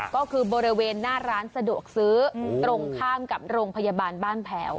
ก็คือบริเวณหน้าร้านสะดวกซื้อตรงข้ามกับโรงพยาบาลบ้านแผลว